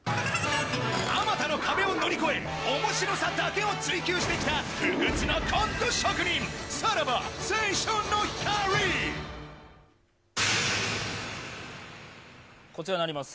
あまたの壁を乗り越えおもしろさだけを追求してきた不屈のコント職人、こちらになります。